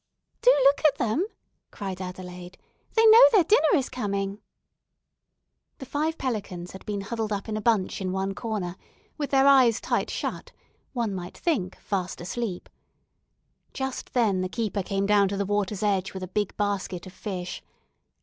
"Do look at them," cried Adelaide, "they know their dinner is coming." The five pelicans had been huddled up in a bunch in one corner, with their eyes tight shut, one might think fast asleep. Just then the keeper came down to the water's edge with a big basket of fish.